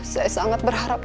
saya sangat berharap